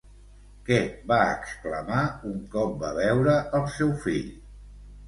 Què va exclamar un cop va veure el seu fill?